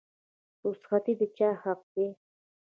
رخصتي د چا حق دی؟